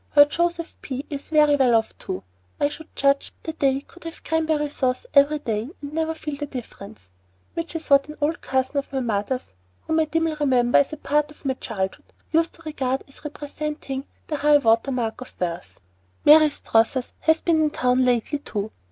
Her Joseph P. is very well off, too. I should judge that they "could have cranberry sauce every day and never feel the difference," which an old cousin of my mother's, whom I dimly remember as a part of my childhood, used to regard as representing the high water mark of wealth. Mary Strothers has been in town lately, too.